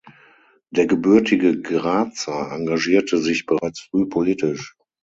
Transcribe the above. Der gebürtige Grazer engagierte sich bereits früh politisch.